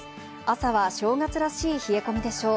朝は正月らしい冷え込みでしょう。